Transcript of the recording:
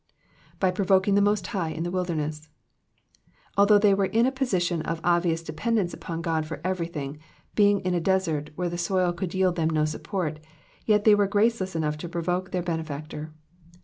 ^^By provoking the most High in the wUdemess,'*'* Although they were in a position of obvious dependence upon God for everything, being in a desert where the soil could yield them no support, yet they were graceless enough to provoke their benefactor.